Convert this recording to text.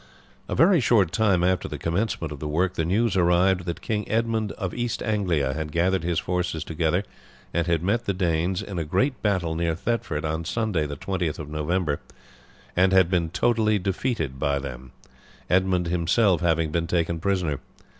A very short time after the commencement of the work the news arrived that King Edmund of East Anglia had gathered his forces together and had met the Danes in a great battle near Thetford on Sunday the 20th of November, and had been totally defeated by them, Edmund himself having been taken prisoner.